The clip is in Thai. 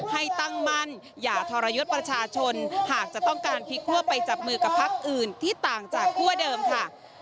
ให้ตั้งมั่นอย่าทรยศประชาชนหากจะต้องการพลิกคั่วไปจับมือกับพักอื่นที่ต่างจากคั่วเดิมค่ะ